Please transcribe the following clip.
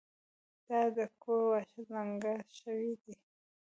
د تا د کور واښه ځنګلي شوي دي